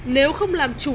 nếu không làm chủ